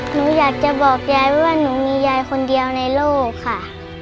หนูอยากจะบอกยายว่าหนูมียายคนเดียวในโลกค่ะ